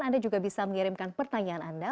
anda juga bisa mengirimkan pertanyaan anda